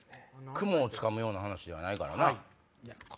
雲をつかむような話ではないからな。